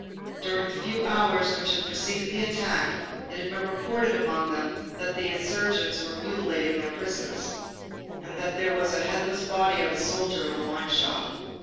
During the few hours which had preceded the attack, it had been reported among them that the insurgents were mutilating their prisoners, and that there was the headless body of a soldier in the wine shop.